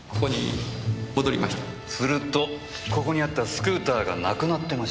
するとここにあったスクーターがなくなってました。